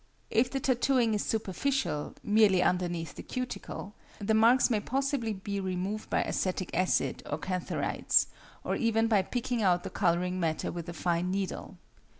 If the tattooing is superficial (merely underneath the cuticle) the marks may possibly be removed by acetic acid or cantharides, or even by picking out the colouring matter with a fine needle.